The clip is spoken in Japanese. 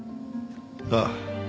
ああ。